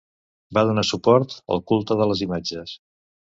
Va donar suport al culte de les imatges.